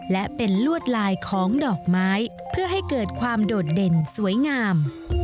และเป็นลวดลายของดอกไม้เพื่อให้เกิดความโดดเด่นสวยงาม